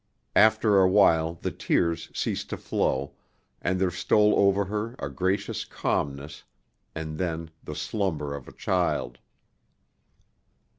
After awhile the tears ceased to flow, and there stole over her a gracious calmness and then the slumber of a child.